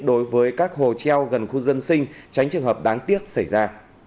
đối với các hồ treo gần khu dân sinh tránh trường hợp đáng tiếc xảy ra